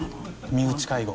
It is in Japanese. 身内介護。